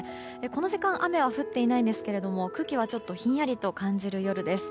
この時間雨は降っていないんですが空気はちょっとひんやりと感じる夜です。